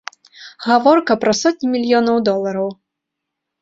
Гаворка пра сотні мільёнаў долараў.